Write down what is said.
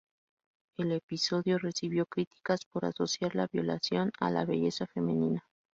El episodio recibió críticas por asociar la violación a la belleza femenina.